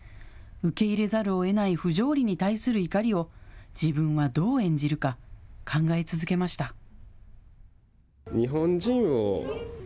受け入れざるをえない不条理に対する怒りを、自分はどう演じるか、考え続けました。